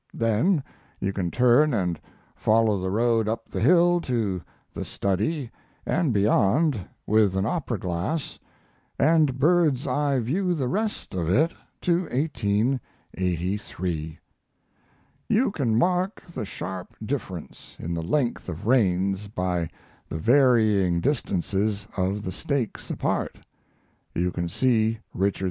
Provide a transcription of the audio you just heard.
then you can turn and follow the road up the hill to the study and beyond with an opera glass, and bird's eye view the rest of it to 1883. You can mark the sharp difference in the length of reigns by the varying distances of the stakes apart. You can see Richard II.